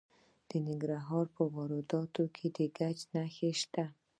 د ننګرهار په روداتو کې د ګچ نښې شته.